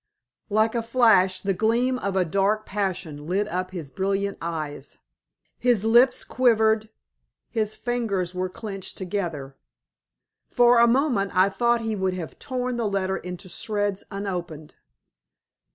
Like a flash the gleam of a dark passion lit up his brilliant eyes. His lips quivered, his fingers were clenched together. For a moment I thought he would have torn the letter into shreds unopened.